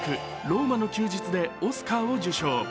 「ローマの休日」でオスカーを受賞。